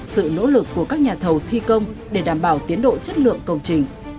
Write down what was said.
sự nỗ lực của các nhà thầu thi công để đảm bảo tiến độ chất lượng công trình